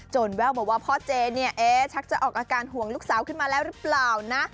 แววมาว่าพ่อเจเนี่ยเอ๊ชักจะออกอาการห่วงลูกสาวขึ้นมาแล้วหรือเปล่านะ